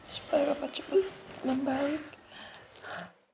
supaya papa cepat membaik